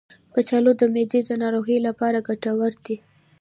کچالو د معدې د ناروغیو لپاره ګټور دی.